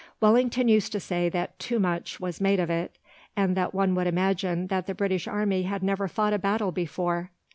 Wellington used to say that too much was made of it, and that one would imagine that the British Army had never fought a battle before.